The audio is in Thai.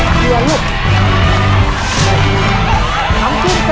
ถูกนุ่งลูก